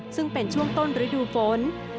ซึ่งเป็นช่วงต้นฤดูฝน